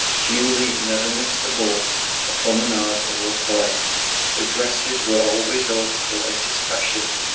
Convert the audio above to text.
Julie never missed a ball, a promenade, or a play. Her dresses were always of the latest fashion.